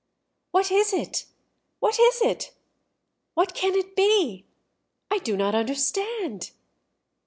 "What is it?... What is it?... What can it be? I do not understand!"